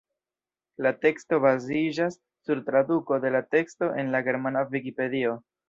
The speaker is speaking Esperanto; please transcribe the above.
La teksto baziĝas sur traduko de la teksto en la germana vikipedio.